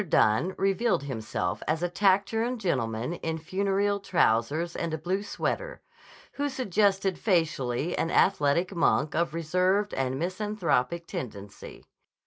Dunne revealed himself as a taciturn gentleman in funereal trousers and a blue sweater, who suggested facially an athletic monk of reserved and misanthropic tendency.